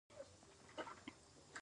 آیا هاکي د دوی ملي لوبه نه ده؟